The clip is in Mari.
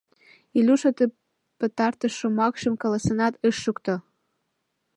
Илюша ты пытартыш шомакшым каласенат ыш шукто